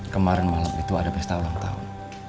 kemarin malam itu ada pesta ulang tahun